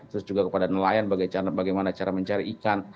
terus juga kepada nelayan bagaimana cara mencari ikan